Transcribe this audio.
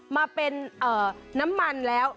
มาเป็นน้ำมันแล้ว